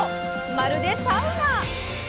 まるでサウナ！